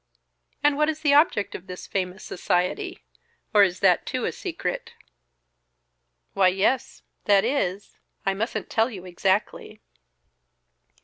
"And what is the object of this famous society? Or is that too a secret?" "Why, yes, that is, I mustn't tell you exactly."